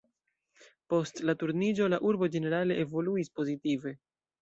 Post la Turniĝo la urbo ĝenerale evoluis pozitive.